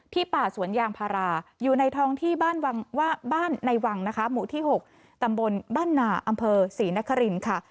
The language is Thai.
ป่าสวนยางพาราอยู่ในท้องที่บ้านในวังนะคะหมู่ที่๖ตำบลบ้านหนาอำเภอศรีนครินค่ะ